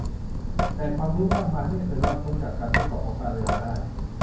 แหล่งความรู้มากมายไม่เคยรอดพ้นจากการทดสอบของการเวลาได้